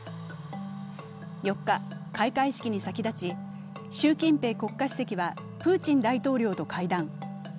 ４日、開会式に先立ち習近平国家主席はプーチン大統領と会談。